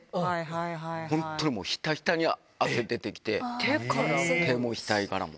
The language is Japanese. もう本当にひたひたに汗出てきて、手も、額からも。